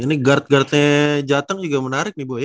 ini guard guardnya jateng juga menarik nih bu